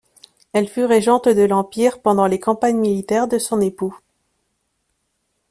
Elle fut régente de l'Empire pendant les campagnes militaires de son époux.